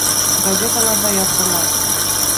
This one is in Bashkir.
Газеталарҙа яҙҙылар.